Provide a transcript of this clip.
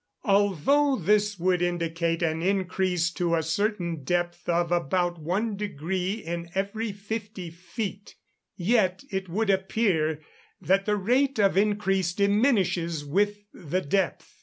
Although this would indicate an increase to a certain depth of about one degree in every fifty feet, yet it would appear that the rate of increase diminishes with the depth.